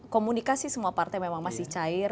komunikasi semua partai memang masih cair